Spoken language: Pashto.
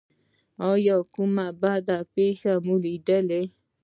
ایا کومه بده پیښه مو لیدلې؟